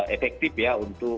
efektif ya untuk